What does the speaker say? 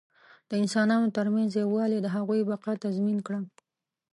د انسانانو تر منځ یووالي د هغوی بقا تضمین کړه.